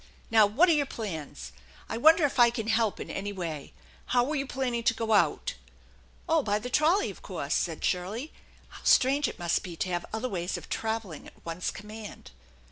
Now, what are your plans ? I wonder if I can help in any way. How were you planning to go out ?"" Oh, by the trolley, of course," said Shirley. How strange it must be to have other ways of travelling at one's command